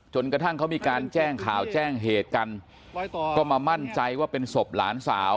กระทั่งเขามีการแจ้งข่าวแจ้งเหตุกันก็มามั่นใจว่าเป็นศพหลานสาว